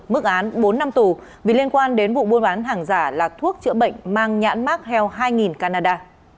mức án bốn năm tù vì liên quan đến vụ buôn bán hàng giả là thuốc chữa bệnh mang nhãn mark health hai canada